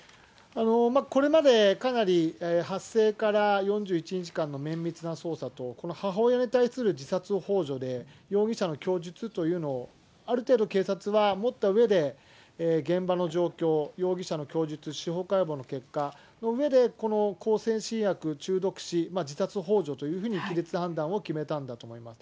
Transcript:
これまでかなり発生から４１日間の綿密な捜査とこの母親に対する自殺ほう助で、容疑者の供述というのを、ある程度警察は持ったうえで、現場の状況、容疑者の供述、司法解剖の結果のうえで、この向精神薬中毒死自殺ほう助という擬律判断を決めたんだと思います。